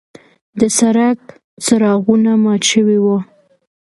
د سړک څراغونه مات شوي وو.